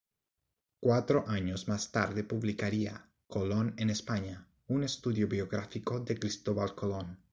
Cuatro años más tarde publicaría "Colón en España", un estudio biográfico de Cristóbal Colón.